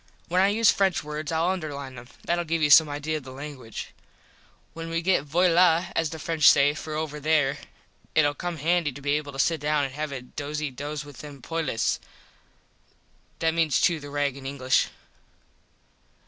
When I use French words Ill underline them. Thatll give you some idea of the languige. When we get voila as the French say for over there itll come handy to be able to sit down and have a dosy dos with them poilus. (That means chew the rag in English.)